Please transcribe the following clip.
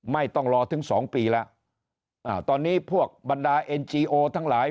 ไม่ต้องรอถึงสองปีแล้วอ่าตอนนี้พวกบรรดาเอ็นจีโอทั้งหลาย